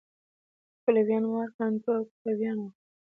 پلویان مارک انتو او اوکتاویان و